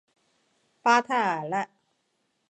巴泰尔奈。